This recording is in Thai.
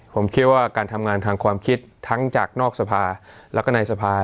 ผมคิดว่าการทำงานทางความคิดทั้งจากนอกสภาแล้วก็ในสภา